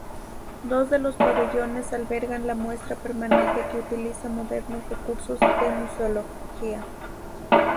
Dos de los pabellones albergan la muestra permanente que utiliza modernos recursos de museología.